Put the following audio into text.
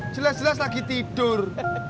jelas jelas lagi tidur